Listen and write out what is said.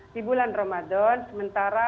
di bulan ramadan sementara